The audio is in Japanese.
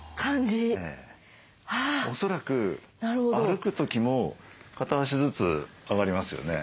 恐らく歩く時も片足ずつ上がりますよね。